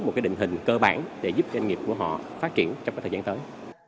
một cái định hình cơ bản để giúp doanh nghiệp của họ phát triển trong các thời gian tới